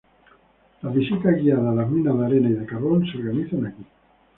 Las visitas guiadas a las minas de arena y de carbón se organizan aquí.